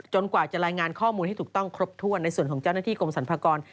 กว่าจะรายงานข้อมูลให้ถูกต้องครบถ้วนในส่วนของเจ้าหน้าที่กรมสรรพากร